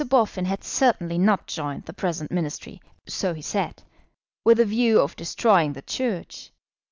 Boffin had certainly not joined the present Ministry, so he said, with the view of destroying the Church.